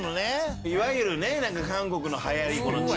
いわゆる韓国のはやり。